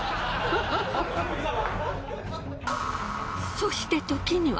そして時には